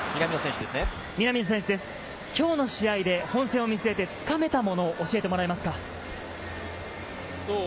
今日の試合で本戦を見据えて、つかめたものを教えてもらえますか？